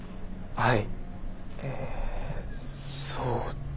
はい。